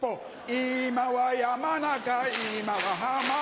今は山中今は浜